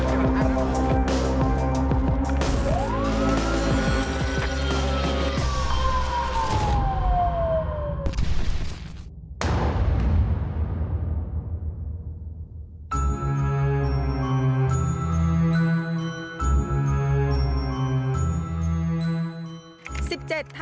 สวัสดีครับ